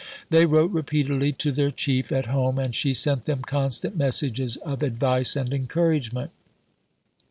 They wrote repeatedly to their "Chief" at home, and she sent them constant messages of advice and encouragement.